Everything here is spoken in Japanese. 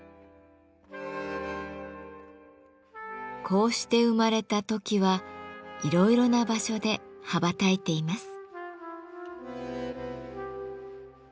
こうして生まれたトキはいろいろな場所で羽ばたいています。